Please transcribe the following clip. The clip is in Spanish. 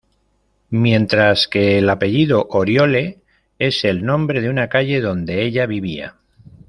Mientras que el apellido "Oriole" es el nombre de una calle donde ella vivía.